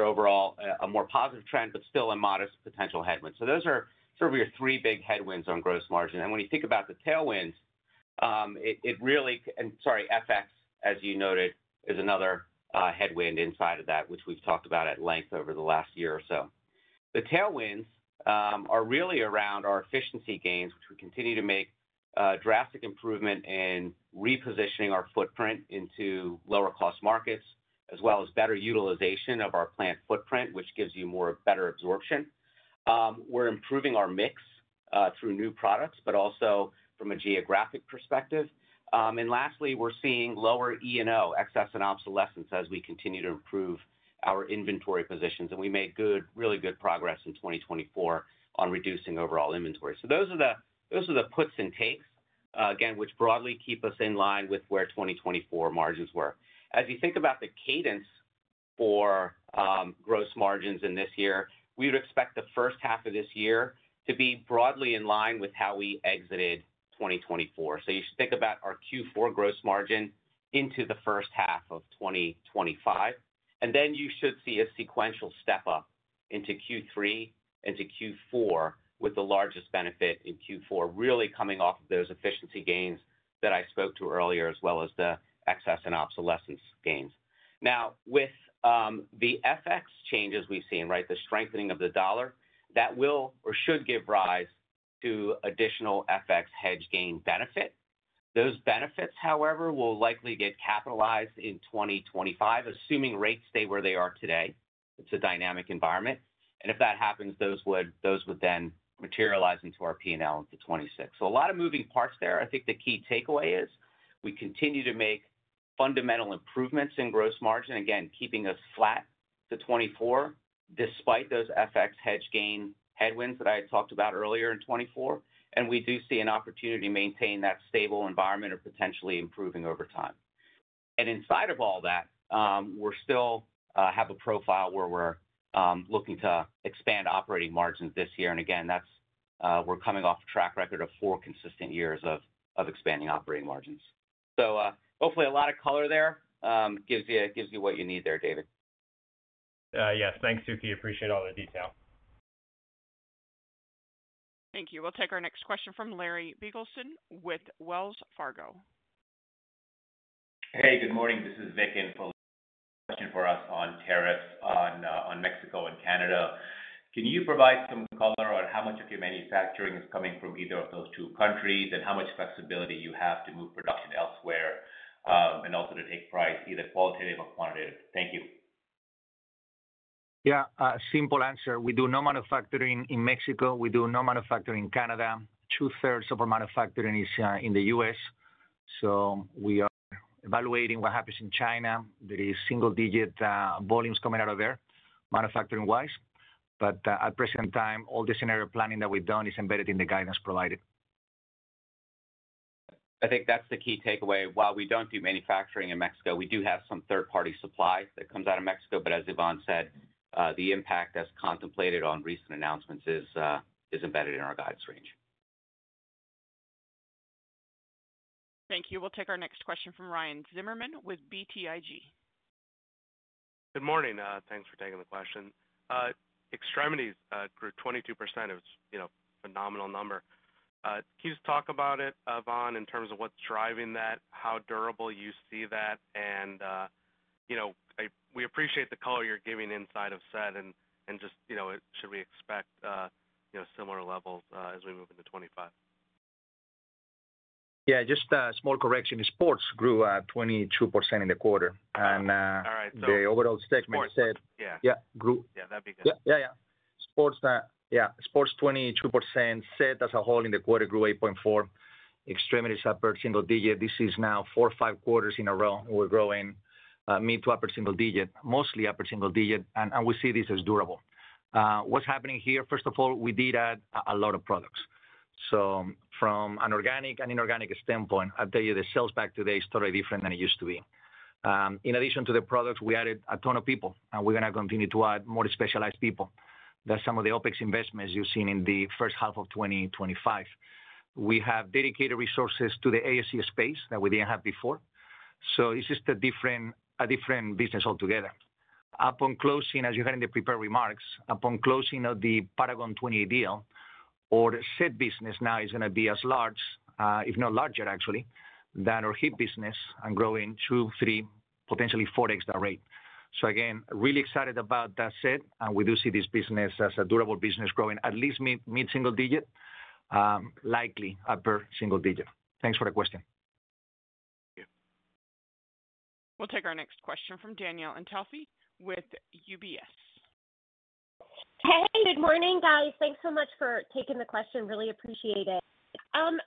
S4: Overall, a more positive trend, but still a modest potential headwind. Those are sort of your three big headwinds on gross margin. When you think about the tailwinds, it really, and sorry, FX, as you noted, is another headwind inside of that, which we've talked about at length over the last year or so. The tailwinds are really around our efficiency gains, which we continue to make a drastic improvement in repositioning our footprint into lower-cost markets, as well as better utilization of our plant footprint, which gives you more better absorption. We're improving our mix through new products, but also from a geographic perspective. And lastly, we're seeing lower E&O, excess and obsolescence, as we continue to improve our inventory positions. And we made really good progress in 2024 on reducing overall inventory. So those are the puts and takes, again, which broadly keep us in line with where 2024 margins were. As you think about the cadence for gross margins in this year, we would expect the first half of this year to be broadly in line with how we exited 2024. So you should think about our Q4 gross margin into the first half of 2025. And then you should see a sequential step-up into Q3 into Q4 with the largest benefit in Q4, really coming off of those efficiency gains that I spoke to earlier, as well as the excess and obsolescence gains. Now, with the FX changes we've seen, right, the strengthening of the dollar, that will or should give rise to additional FX hedge gain benefit. Those benefits, however, will likely get capitalized in 2025, assuming rates stay where they are today. It's a dynamic environment. And if that happens, those would then materialize into our P&L into 2026. So a lot of moving parts there. I think the key takeaway is we continue to make fundamental improvements in gross margin, again, keeping us flat to 2024, despite those FX hedge gain headwinds that I had talked about earlier in 2024. And we do see an opportunity to maintain that stable environment or potentially improving over time. And inside of all that, we still have a profile where we're looking to expand operating margins this year. And again, we're coming off a track record of four consistent years of expanding operating margins. So hopefully, a lot of color there gives you what you need there, David.
S9: Yes. Thanks, Suky. Appreciate all the detail.
S1: Thank you. We'll take our next question from Larry Biegelsen with Wells Fargo.
S10: Hey, good morning. This is Vik in for a question for us on tariffs on Mexico and Canada. Can you provide some color on how much of your manufacturing is coming from either of those two countries and how much flexibility you have to move production elsewhere and also to take price, either qualitative or quantitative? Thank you.
S3: Yeah. Simple answer. We do no manufacturing in Mexico. We do no manufacturing in Canada. Two-thirds of our manufacturing is in the U.S. So we are evaluating what happens in China. There are single-digit volumes coming out of there manufacturing-wise. But at present time, all the scenario planning that we've done is embedded in the guidance provided.
S4: I think that's the key takeaway. While we don't do manufacturing in Mexico, we do have some third-party supply that comes out of Mexico. But as Ivan said, the impact as contemplated on recent announcements is embedded in our guidance range.
S1: Thank you. We'll take our next question from Ryan Zimmerman with BTIG. Good morning.
S11: Thanks for taking the question. Extremities grew 22%. It was a phenomenal number. Can you just talk about it, Ivan, in terms of what's driving that, how durable you see that? And we appreciate the color you're giving inside of S.E.T. and just should we expect similar levels as we move into 2025? Yeah. Just a small correction. Sports grew 22% in the quarter. And the overall S.E.T. grew.
S3: Yeah. Yeah. Yeah. Sports 22%. S.E.T. as a whole in the quarter grew 8.4%. Extremities upper single digit. This is now four or five quarters in a row we're growing mid to upper single digit, mostly upper single digit. And we see this as durable. What's happening here, first of all, we did add a lot of products. So from an organic and inorganic standpoint, I'll tell you the sales back today is totally different than it used to be. In addition to the products, we added a ton of people, and we're going to continue to add more specialized people. That's some of the OpEx investments you've seen in the first half of 2025. We have dedicated resources to the ASC space that we didn't have before. So it's just a different business altogether. As you heard in the prepared remarks, upon closing of the Paragon 28 deal, our S.E.T. business now is going to be as large, if not larger, actually, than our Hip business and growing two, three, potentially 4x that rate. So again, really excited about that S.E.T. And we do see this business as a durable business growing at least mid single digit, likely upper single digit. Thanks for the question.
S11: Thank you.
S1: We'll take our next question from Danielle Antalffy with UBS. Hey, good morning, guys.
S12: Thanks so much for taking the question. Really appreciate it. Ivan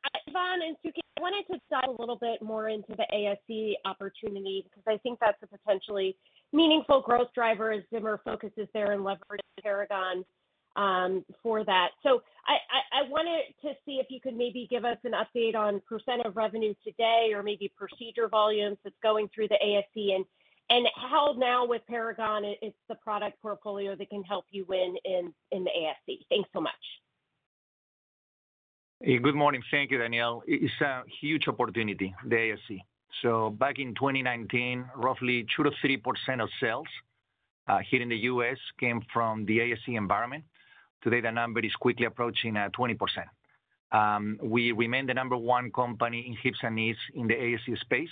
S12: and Suky, I wanted to dive a little bit more into the ASC opportunity because I think that's a potentially meaningful growth driver as Zimmer focuses there and leverages Paragon for that. So I wanted to see if you could maybe give us an update on percent of revenue today or maybe procedure volumes that's going through the ASC and how now with Paragon it's the product portfolio that can help you win in the ASC. Thanks so much.
S3: Good morning. Thank you, Danielle. It's a huge opportunity, the ASC. Back in 2019, roughly 2-3% of sales here in the U.S. came from the ASC environment. Today, the number is quickly approaching 20%. We remain the number one company in Hips and Knees in the ASC space.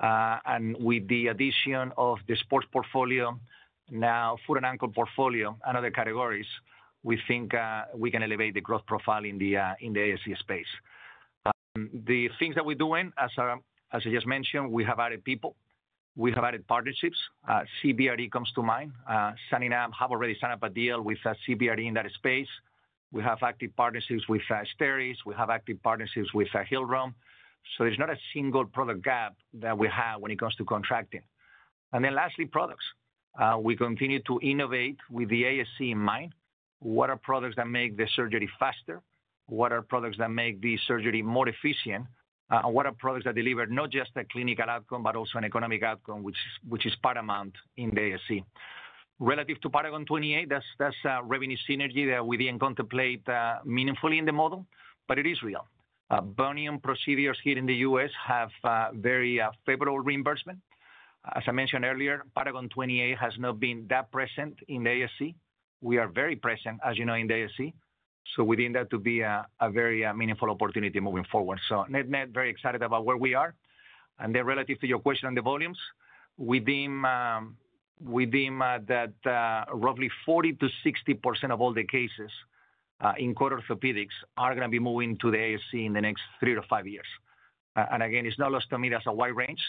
S3: And with the addition of the sports portfolio, now foot and ankle portfolio, and other categories, we think we can elevate the growth profile in the ASC space. The things that we're doing, as I just mentioned, we have added people. We have added partnerships. CBRE comes to mind. We have already signed up a deal with CBRE in that space. We have active partnerships with STERIS. We have active partnerships with Hillrom. So there's not a single product gap that we have when it comes to contracting. And then lastly, products. We continue to innovate with the ASC in mind. What are products that make the surgery faster? What are products that make the surgery more efficient? What are products that deliver not just a clinical outcome, but also an economic outcome, which is paramount in the ASC? Relative to Paragon 28, that's a revenue synergy that we didn't contemplate meaningfully in the model, but it is real. Bunion procedures here in the U.S. have very favorable reimbursement. As I mentioned earlier, Paragon 28 has not been that present in the ASC. We are very present, as you know, in the ASC. So we deem that to be a very meaningful opportunity moving forward. So, net-net, very excited about where we are. And then relative to your question on the volumes, we deem that roughly 40%-60% of all the cases in core orthopedics are going to be moving to the ASC in the next three to five years. And again, it's not lost on me that that's a wide range,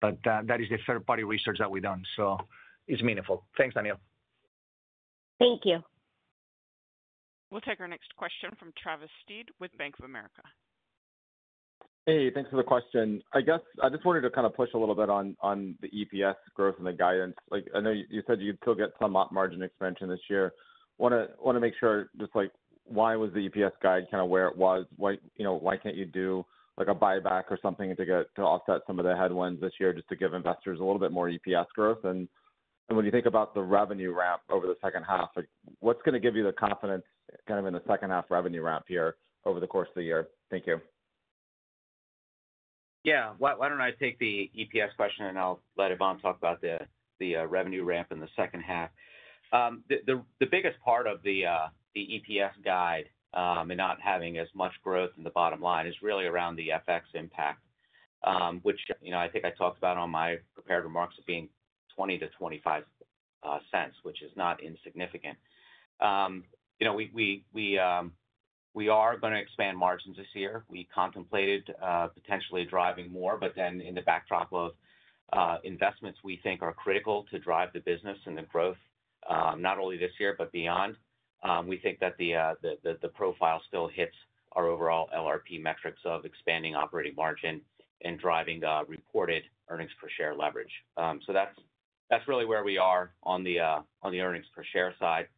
S3: but that is the third-party research that we've done. So it's meaningful. Thanks, Danielle.
S12: Thank you.
S1: We'll take our next question from Travis Steed with Bank of America.
S13: Hey, thanks for the question. I guess I just wanted to kind of push a little bit on the EPS growth and the guidance. I know you said you could still get some margin expansion this year. Want to make sure, just why was the EPS guide kind of where it was? Why can't you do a buyback or something to offset some of the headwinds this year just to give investors a little bit more EPS growth? And when you think about the revenue ramp over the second half, what's going to give you the confidence kind of in the second-half revenue ramp here over the course of the year?
S4: Thank you. Yeah. Why don't I take the EPS question and I'll let Ivan talk about the revenue ramp in the second half. The biggest part of the EPS guide and not having as much growth in the bottom line is really around the FX impact, which I think I talked about on my prepared remarks of being $0.20-$0.25, which is not insignificant. We are going to expand margins this year. We contemplated potentially driving more, but then in the backdrop of investments we think are critical to drive the business and the growth, not only this year, but beyond, we think that the profile still hits our overall LRP metrics of expanding operating margin and driving reported earnings per share leverage. So that's really where we are on the earnings per share side.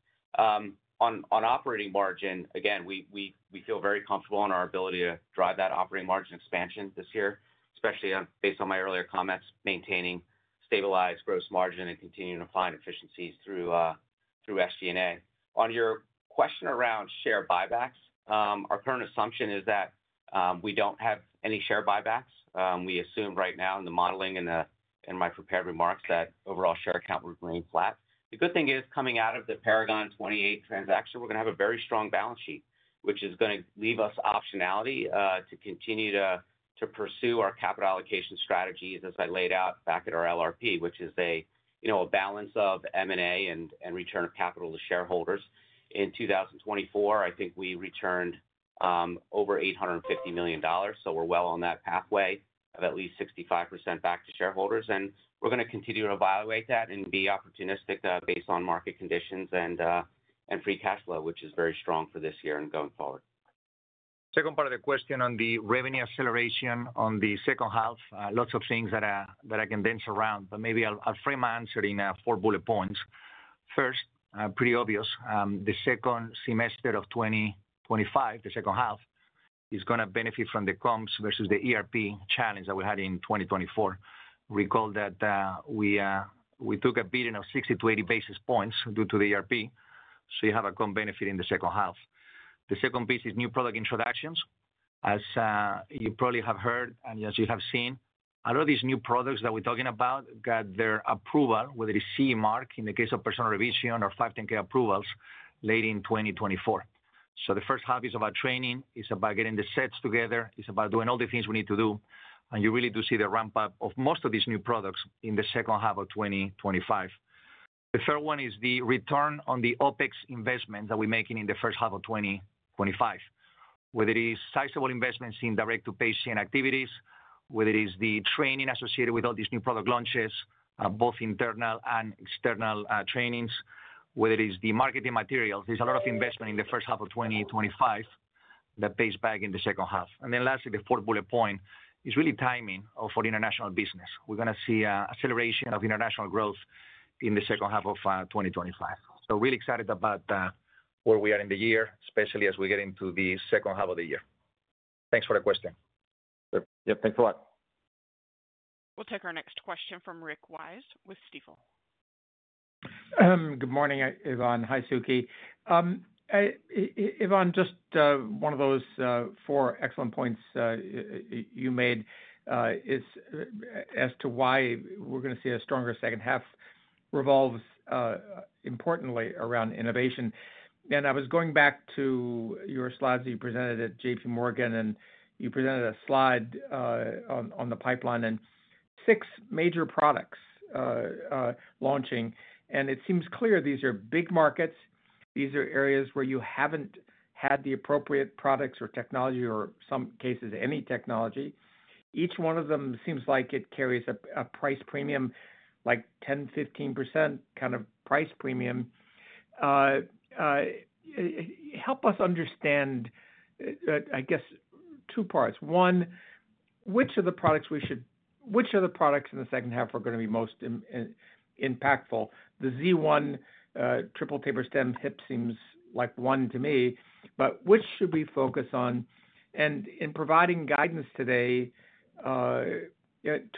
S4: On operating margin, again, we feel very comfortable in our ability to drive that operating margin expansion this year, especially based on my earlier comments, maintaining stabilized gross margin and continuing to find efficiencies through SG&A. On your question around share buybacks, our current assumption is that we don't have any share buybacks. We assume right now in the modeling and my prepared remarks that overall share count will remain flat. The good thing is coming out of the Paragon 28 transaction, we're going to have a very strong balance sheet, which is going to leave us optionality to continue to pursue our capital allocation strategies as I laid out back at our LRP, which is a balance of M&A and return of capital to shareholders. In 2024, I think we returned over $850 million. So we're well on that pathway of at least 65% back to shareholders. And we're going to continue to evaluate that and be opportunistic based on market conditions and Free Cash Flow, which is very strong for this year and going forward.
S3: Second part of the question on the revenue acceleration on the second half, lots of things that I can dance around, but maybe I'll frame my answer in four bullet points. First, pretty obvious. The second semester of 2025, the second half, is going to benefit from the comps versus the ERP challenge that we had in 2024. Recall that we took a beating of 60-80 basis points due to the ERP. So you have a comp benefit in the second half. The second piece is new product introductions. As you probably have heard and as you have seen, a lot of these new products that we're talking about got their approval, whether it's CE Mark in the case of Persona Revision or 510(k) approvals late in 2024. So the first half is about training, is about getting the sets together, is about doing all the things we need to do, and you really do see the ramp-up of most of these new products in the second half of 2025. The third one is the return on the OpEx investments that we're making in the first half of 2025, whether it is sizable investments in direct-to-patient activities, whether it is the training associated with all these new product launches, both internal and external trainings, whether it is the marketing materials. There's a lot of investment in the first half of 2025 that pays back in the second half. And then lastly, the fourth bullet point is really timing for international business. We're going to see an acceleration of international growth in the second half of 2025. So really excited about where we are in the year, especially as we get into the second half of the year. Thanks for the question.
S13: Yep. Thanks a lot.
S1: We'll take our next question from Rick Wise with Stifel.
S14: Good morning, Ivan. Hi, Suky. Ivan, just one of those four excellent points you made as to why we're going to see a stronger second half revolves importantly around innovation. I was going back to your slides that you presented at JPMorgan, and you presented a slide on the pipeline and six major products launching. It seems clear these are big markets. These are areas where you haven't had the appropriate products or technology or in some cases, any technology. Each one of them seems like it carries a price premium, like 10%, 15% kind of price premium. Help us understand, I guess, two parts. One, which of the products in the second half are going to be most impactful? The Z1 triple-tapered hip stem seems like one to me, but which should we focus on? And in providing guidance today, to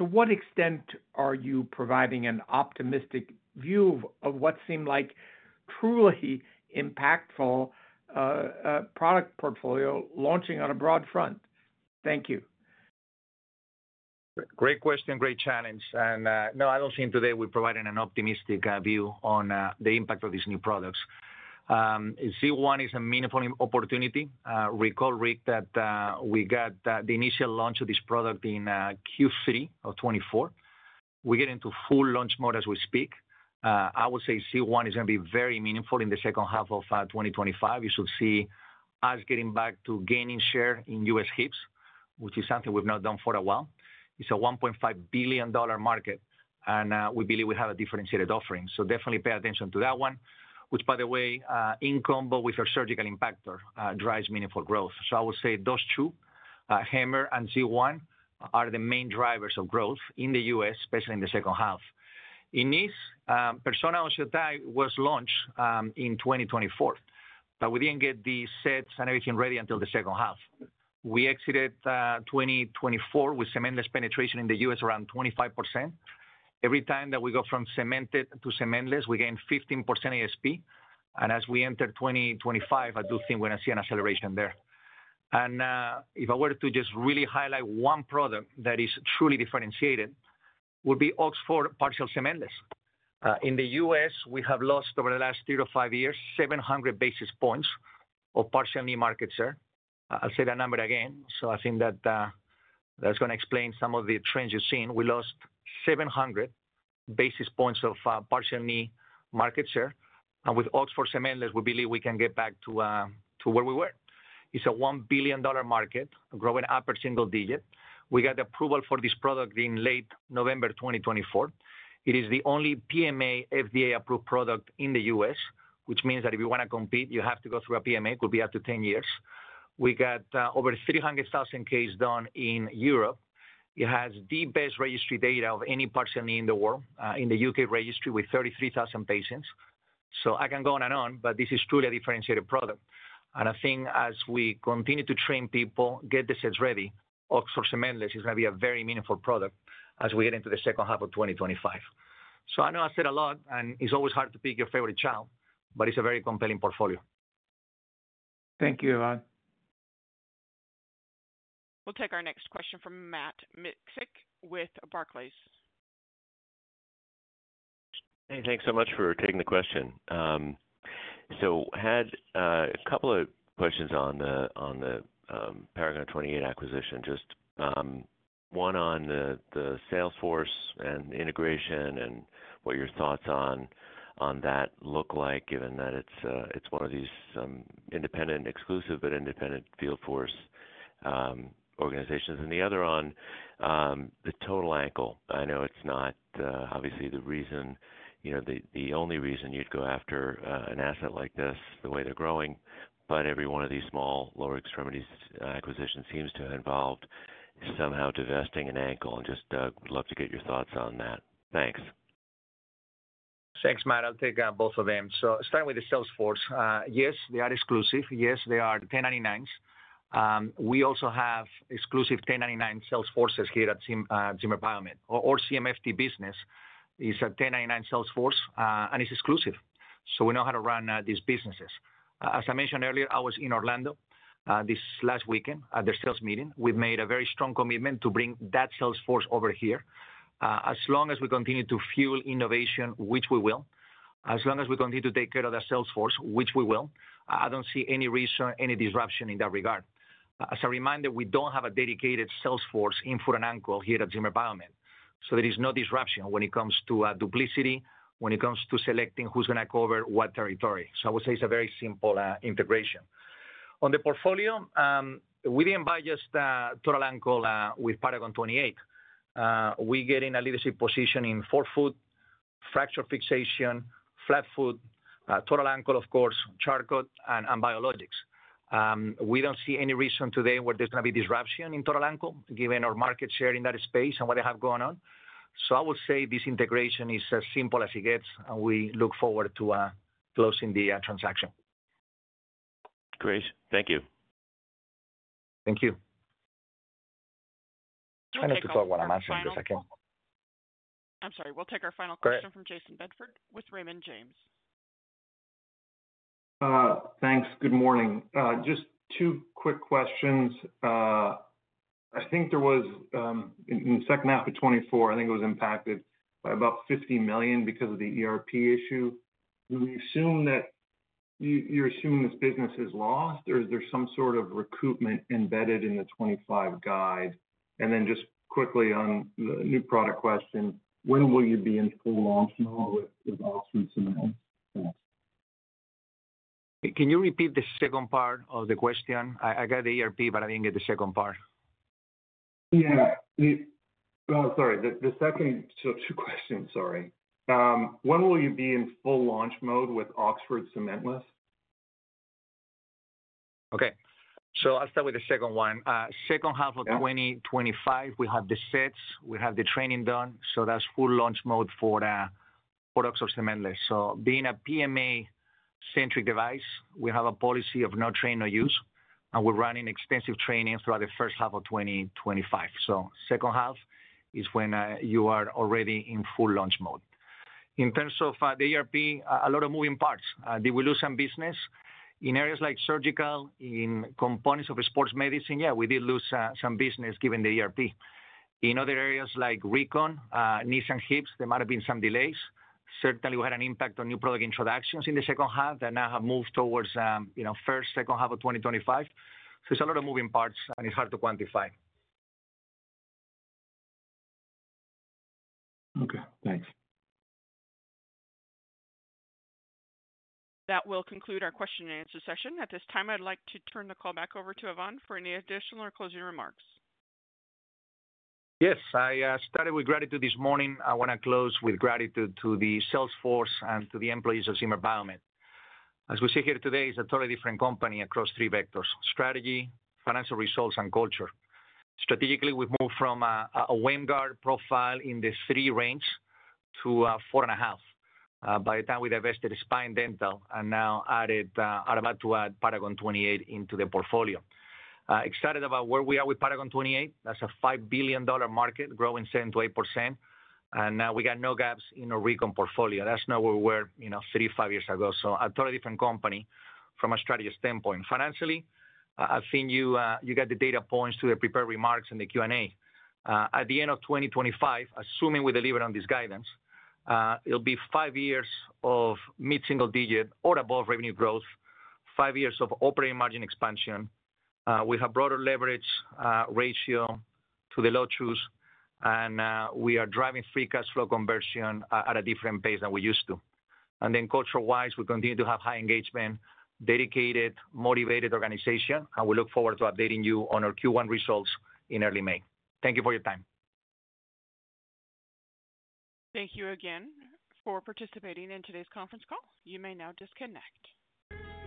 S14: what extent are you providing an optimistic view of what seemed like truly impactful product portfolio launching on a broad front? Thank you.
S3: Great question, great challenge. And no, I don't see today we're providing an optimistic view on the impact of these new products. Z1 is a meaningful opportunity. Recall, Rick, that we got the initial launch of this product in Q3 of 2024. We're getting to full launch mode as we speak. I would say Z1 is going to be very meaningful in the second half of 2025. You should see us getting back to gaining share in U.S. Hips, which is something we've not done for a while. It's a $1.5 billion market, and we believe we have a differentiated offering. So definitely pay attention to that one, which, by the way, in combo with our surgical impactor drives meaningful growth. So I would say those two, HAMMR and Z1, are the main drivers of growth in the U.S., especially in the second half. In this, Persona OsseoTi was launched in 2024, but we didn't get the S.E.T. and everything ready until the second half. We exited 2024 with cementless penetration in the U.S. around 25%. Every time that we go from cemented to cementless, we gain 15% ASP. And as we enter 2025, I do think we're going to see an acceleration there. And if I were to just really highlight one product that is truly differentiated, it would be Oxford Partial Cementless. In the U.S., we have lost over the last three to five years 700 basis points of Partial Knee market share. I'll say that number again. So I think that's going to explain some of the trends you've seen. We lost 700 basis points of Partial Knee market share, and with Oxford Cementless, we believe we can get back to where we were. It's a $1 billion market, growing upper single digit. We got the approval for this product in late November 2024. It is the only PMA FDA-approved product in the U.S., which means that if you want to compete, you have to go through a PMA. It could be up to 10 years. We got over 300,000 cases done in Europe. It has the best registry data of any Partial Knee in the world, in the U.K. registry with 33,000 patients, so I can go on and on, but this is truly a differentiated product, and I think as we continue to train people, get the sets ready, Oxford Cementless is going to be a very meaningful product as we get into the second half of 2025. So I know I said a lot, and it's always hard to pick your favorite child, but it's a very compelling portfolio.
S14: Thank you, Ivan.
S1: We'll take our next question from Matt Miksic with Barclays.
S15: Hey, thanks so much for taking the question. So had a couple of questions on the Paragon 28 acquisition, just one on the sales force and integration and what your thoughts on that look like, given that it's one of these independent, exclusive, but independent field force organizations. And the other on the total ankle. I know it's not obviously the reason, the only reason you'd go after an asset like this the way they're growing, but every one of these small lower extremities acquisitions seems to have involved somehow divesting an ankle. And just would love to get your thoughts on that. Thanks.
S3: Thanks, Matt. I'll take both of them. Starting with the sales force, yes, they are exclusive. Yes, they are 1099s. We also have exclusive 1099 sales forces here at Zimmer Biomet. Our CMFT business is a 1099 sales force, and it's exclusive. We know how to run these businesses. As I mentioned earlier, I was in Orlando this last weekend at their sales meeting. We've made a very strong commitment to bring that sales force over here. As long as we continue to fuel innovation, which we will, as long as we continue to take care of that sales force, which we will, I don't see any reason, any disruption in that regard. As a reminder, we don't have a dedicated sales force in foot and ankle here at Zimmer Biomet. There is no disruption when it comes to duplication, when it comes to selecting who's going to cover what territory. I would say it's a very simple integration. On the portfolio, we didn't buy just total ankle with Paragon 28. We're getting a leadership position in forefoot, fracture fixation, flat foot, total ankle, of course, Charcot, and biologics. We don't see any reason today where there's going to be disruption in total ankle, given our market share in that space and what they have going on. So I would say this integration is as simple as it gets, and we look forward to closing the transaction.
S15: Great. Thank you.
S3: Thank you. Try not to talk while I'm answering this again.
S1: I'm sorry. We'll take our final question from Jason Bedford with Raymond James. Thanks. Good morning. Just two quick questions. I think there was in the second half of 2024, I think it was impacted by about $50 million because of the ERP issue.
S16: Do we assume that you're assuming this business is lost, or is there some sort of recoupment embedded in the 2025 guide? And then just quickly on the new product question, when will you be in full launch mode with Oxford Cementless?
S3: Can you repeat the second part of the question? I got the ERP, but I didn't get the second part.
S16: Yeah. Sorry. The second, so two questions, sorry. When will you be in full launch mode with Oxford Cementless?
S3: Okay. So I'll start with the second one. Second half of 2025, we have the sets, we have the training done. So that's full launch mode for Oxford Cementless. So being a PMA-centric device, we have a policy of no train, no use. And we're running extensive training throughout the first half of 2025. So second half is when you are already in full launch mode. In terms of the ERP, a lot of moving parts. Did we lose some business? In areas like surgical, in components of sports medicine, yeah, we did lose some business given the ERP. In other areas like recon Knees and Hips, there might have been some delays. Certainly, we had an impact on new product introductions in the second half that now have moved towards first, second half of 2025. So there's a lot of moving parts, and it's hard to quantify.
S16: Okay. Thanks.
S1: That will conclude our question and answer session. At this time, I'd like to turn the call back over to Ivan for any additional or closing remarks.
S3: Yes. I started with gratitude this morning. I want to close with gratitude to the sales force and to the employees of Zimmer Biomet. As we sit here today, it's a totally different company across three vectors: strategy, financial results, and culture. Strategically, we've moved from a WAMGR profile in the three range to a four and a half by the time we divested Spine and Dental and now added Paragon 28 into the portfolio. Excited about where we are with Paragon 28. That's a $5 billion market, growing 7%-8%. And we got no gaps in our recon portfolio. That's not where we were three, five years ago. So a totally different company from a strategy standpoint. Financially, I think you got the data points to the prepared remarks in the Q&A. At the end of 2025, assuming we deliver on this guidance, it'll be five years of mid-single digit or above revenue growth, five years of operating margin expansion. We have broader leverage ratio to the low end, and we are driving Free Cash Flow conversion at a different pace than we used to, and then culture-wise, we continue to have high engagement, dedicated, motivated organization, and we look forward to updating you on our Q1 results in early May. Thank you for your time.
S1: Thank you again for participating in today's conference call. You may now disconnect.